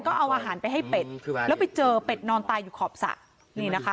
ก็เอาอาหารไปให้เป็ดแล้วไปเจอเป็ดนอนตายอยู่ขอบสระนี่นะคะ